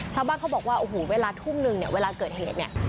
ชาวบ้านเขาบอกว่าโอ้โหเวลาทุ่มนึงเนี่ยเวลาเกิดเหตุเนี่ย